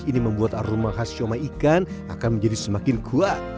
ini membuat aroma khas siomay ikan akan menjadi semakin kuat